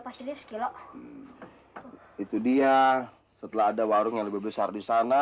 hai hai hai itu dia setelah ada warung yang besar di sana hai hai itu dia setelah ada warung yang besar di sana